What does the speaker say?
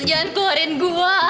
jangan keluarin gue